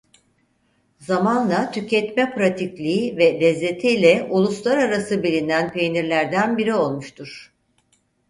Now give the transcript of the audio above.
Zamanla tüketme pratikliği ve lezzetiyle uluslararası bilinen peynirlerden biri olmuştur.